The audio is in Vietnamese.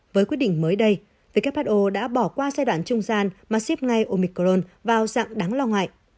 với quyết định mới đây who đã bỏ qua giai đoạn trung gian mà ship ngay omicron vào dạng đáng lo ngại